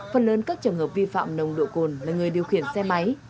phần lớn các trường hợp vi phạm nồng độ cồn là người điều khiển xe máy